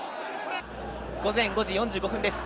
午前５時４５分です。